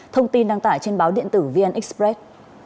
thông tin đăng tải trên báo điện tử vn express